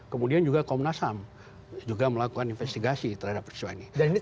kemudian juga komnas ham juga melakukan investigasi terhadap peristiwa ini